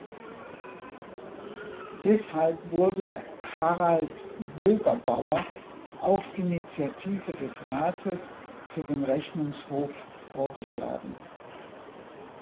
Deshalb wurde Harald Wögerbauer auf Initiative des Rates für den Rechnungshof vorgeschlagen.